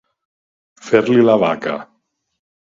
Fer-li la vaca.